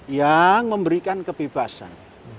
yang memberikan kebebasan